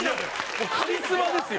もうカリスマですよ。